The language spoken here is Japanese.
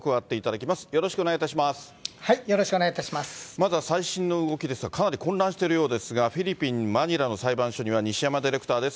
まずは最新の動きですが、かなり混乱しているようですが、フィリピン・マニラの裁判所には、西山ディレクターです。